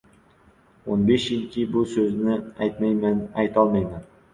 O’n besh yilki, bu soʻzni aytmayman, aytolmayman.